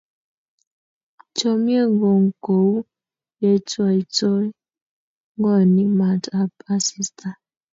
Chomye ng'ung' kou yetwaitoi ng'ony maat ap asista.